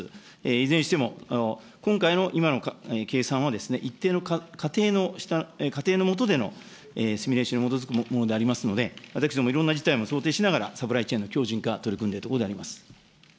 いずれにしても今回の今の計算は、一定の仮定のもとでのシミュレーションに基づくものでありますので、私ども、いろんな事態も想定しながら、サプライチェーンの強じん化、取り組んでいるところであります。